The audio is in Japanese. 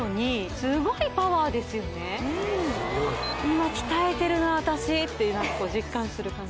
今鍛えてるな私って実感する感じ